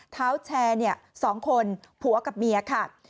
เท้าแชร์๒คนผัวกับเมียค่ะ